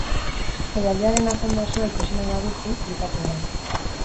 Jaialdiaren agenda osoa ikusi nahi baduzu, klikatu hemen.